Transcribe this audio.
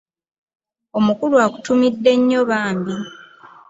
Omukulu akutumidde nnyo bambi.